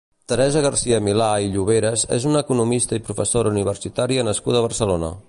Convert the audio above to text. Teresa Garcia-Milà i Lloveras és una economista i professsora universitària nascuda a Barcelona.